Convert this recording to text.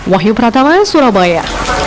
wahyu pratama surabaya